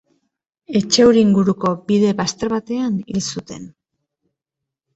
Etxauri inguruko bide bazter batean hil zuten.